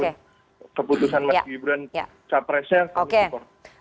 keputusan mas gibran capresnya kami support